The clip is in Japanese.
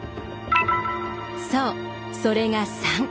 そうそれが３。